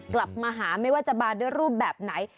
กลับมาหาไม่ว่าจะมาด้วยรูปแบบไหน